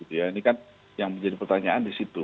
ini kan yang menjadi pertanyaan disitu